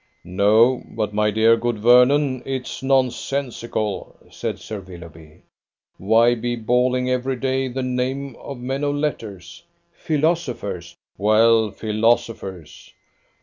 "No; but, my dear good Vernon, it's nonsensical," said Sir Willoughby; "why be bawling every day the name of men of letters?" "Philosophers." "Well, philosophers."